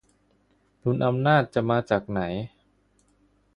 ดุลอำนาจจะมาจากไหน?